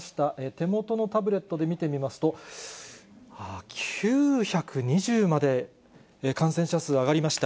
手元のタブレットで見てみますと、ああ、９２０まで、感染者数上がりました。